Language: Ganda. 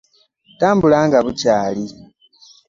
Tambula nga bukyaali!